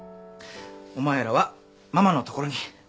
お前らはママのところに。